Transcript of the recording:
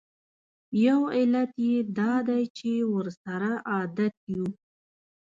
یو علت یې دا دی چې ورسره عادت یوو.